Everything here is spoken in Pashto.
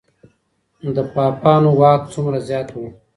د پاپانو واک څومره زیات و؟